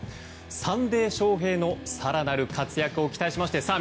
サンデー翔平の更なる活躍を期待しましてさあ